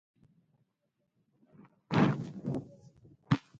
سرمایدار ته پښتو کې پانګوال وايي.